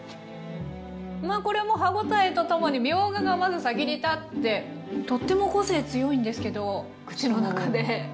これも歯応えとともにみょうががまず先に立ってとっても個性強いんですけど口の中で合わさってくれる。